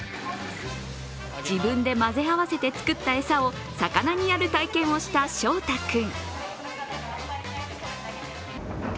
自分で混ぜ合わせて作った餌を魚にやる体験をした翔太君。